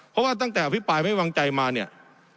เพราะว่าตั้งแต่อภิปรายไม่วางใจมาเนี่ย